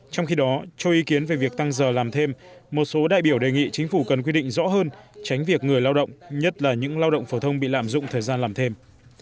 trong khi đó cho ý kiến về việc tăng giờ làm thêm một số đại biểu đề nghị chính phủ cần quy định rõ hơn tránh việc người lao động nhất là những lao động phổ thông bị lạm dụng thời gian làm thêm